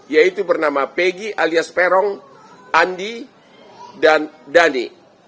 yaitu bernama peggy alias peron andi dan dhani